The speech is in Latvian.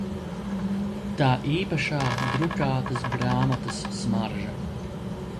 Tā īpašā drukātas grāmatas smarža!